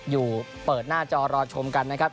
อยู่เปิดหน้าจอรอชมกันนะครับ